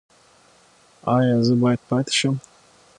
ایا زه باید پاتې شم؟